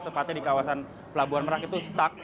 tepatnya di kawasan pelabuhan merak itu stuck